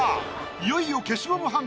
いよいよ消しゴムはん